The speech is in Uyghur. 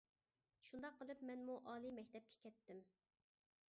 شۇنداق قىلىپ مەنمۇ ئالىي مەكتەپكە كەتتىم.